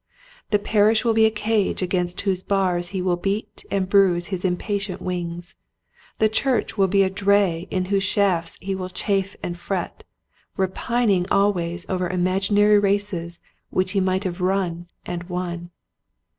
The parish will be a cage against whose bars he will beat and bruise his impatient wings ; the church will be a dray in whose shafts he will chafe and fret, repining always over imaginary races which he might have run and won.